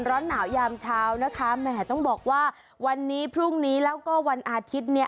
ร้อนหน่าวยามเช้าต้องบอกว่าวันนี้พรุ่งนี้และวันอาทิตย์